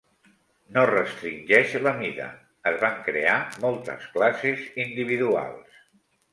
No restringeix la mida: es van crear moltes classes individuals.